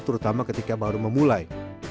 terutama ketika baru memulai